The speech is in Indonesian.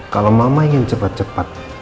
kalo mama ingin cepet cepet